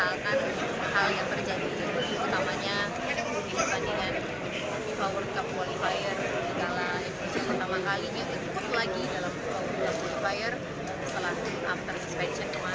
setelah after suspension kemarin dan pertimbangan kita pun sedang leading puala dunia fifa world cup dua ribu dua puluh total dua ribu dua puluh satu